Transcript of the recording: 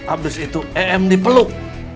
abis itu em dipeluk